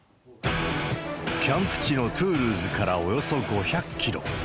キャンプ地のトゥールーズからおよそ５００キロ。